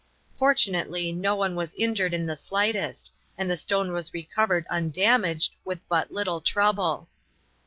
Fortunately, no one was injured in the slightest, and the stone was recovered undamaged with but little trouble.